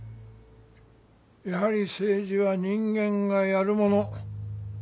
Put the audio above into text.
やはり政治は人間がやるもの。